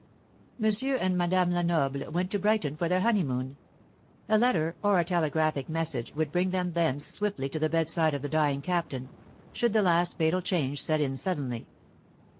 Monsieur and Madame Lenoble went to Brighton for their honeymoon. A letter or a telegraphic message would bring them thence swiftly to the bedside of the dying Captain, should the last fatal change set in suddenly.